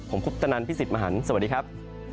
ผมคุปตนันพี่สิทธิ์มหันฯสวัสดีครับ